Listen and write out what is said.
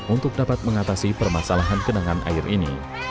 untuk dapat mengatasi permasalahan kenangan air ini